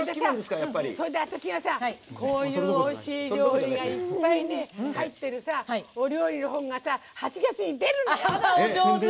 それで私がさこういうおいしい料理がいっぱいね、入ってるさお料理の本がお上手！